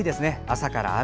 朝から雨。